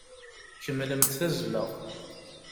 Kemmlemt tazzla!